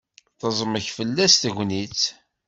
Teẓmek fell-as tagnitt.